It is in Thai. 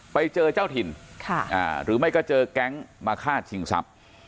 ไปเจอเจ้าถิ่นหรือไม่ก็เจอแก๊งมาฆ่าชิงทรัพย์